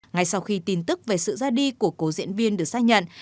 ngay sau khi tin tức về sự ra đi của cố diễn viên được xác nhận